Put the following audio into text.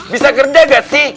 bisa kerja gak sih